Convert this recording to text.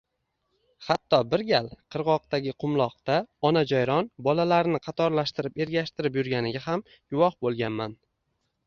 Hatto, bir gal qirgʻoqdagi qumloqda ona jayron bolalarini qatorlashtirib ergashtirib yurganiga ham guvoh boʻlganman